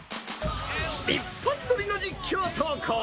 一発撮りの実況投稿。